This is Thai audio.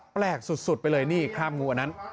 แปลกสุดไปเลยนี่คราบงูอันนั้น